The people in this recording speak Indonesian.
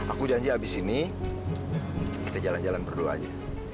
aku janji abis ini kita jalan jalan berdua aja